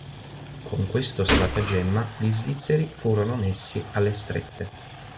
Con questo stratagemma gli svizzeri furono messi alle strette.